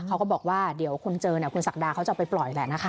เขาก็บอกว่าเดี๋ยวคุณเจอเนี่ยคุณศักดาเขาจะเอาไปปล่อยแหละนะคะ